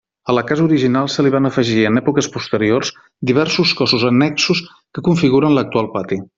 A la casa original se li van afegir en èpoques posteriors diversos cossos annexos que configuren l'actual pati.